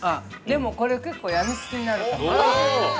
でも、これ結構やみつきになるかも。